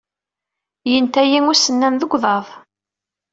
Yenta-yi usennan deg uḍad.